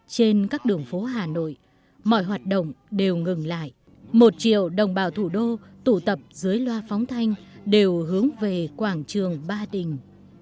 trên các đường phố hà nội mọi hoạt động đều ngừng lại một triệu đồng bào thủ đô tụ tập dưới loa phóng thanh đều hướng về quảng trường ba đình